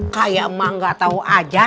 kayak emang gak tau aja